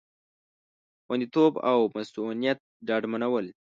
خوندیتوب او مصئونیت ډاډمنول